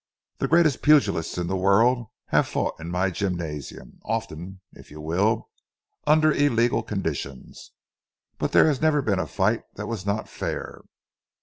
The greatest pugilists in the world have fought in my gymnasium, often, if you will, under illegal conditions, but there has never been a fight that was not fair."